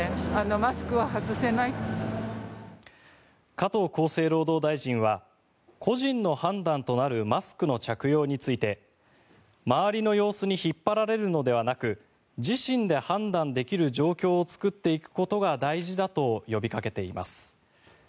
加藤厚生労働大臣は個人の判断となるマスクの着用について周りの様子に引っ張られるのではなく自身で判断できる状況を作っていくことが大事だと呼びかけています。